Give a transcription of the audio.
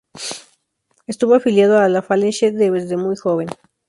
Estuvo afiliado a la Falange desde muy joven.